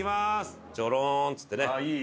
ちょろんっつってね。